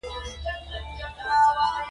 متل دی: د شوروا مرور په غوښه پخلا.